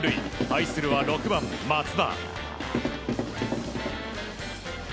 対するは６番、松田。